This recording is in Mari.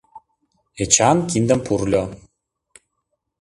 Эчан киндым пурльо.